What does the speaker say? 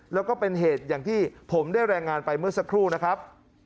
แล้วก็เป็นเหตุอย่างที่ผมได้แรงงานไปเมื่อสักครู่นะครับ